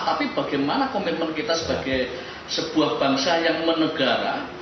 tapi bagaimana komitmen kita sebagai sebuah bangsa yang menegara